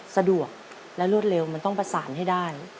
สะดวกและรวดเร็วมันต้องประสานให้ได้